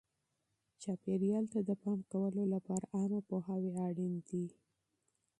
چاپیریال ته د پام کولو لپاره عامه پوهاوی اړین دی.